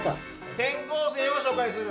転校生を紹介する。